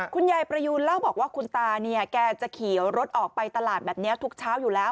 ประยูนเล่าบอกว่าคุณตาเนี่ยแกจะขี่รถออกไปตลาดแบบนี้ทุกเช้าอยู่แล้ว